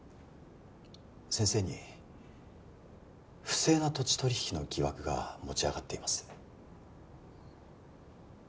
先生に不正な土地取引の疑惑が持ち上がっています